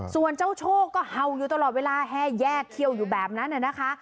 ส่วนเจ้าโชคก็เห่าอยู่ตลอดเวลาแห้แยกเขี้ยวอยู่แบบนั้นนะคะ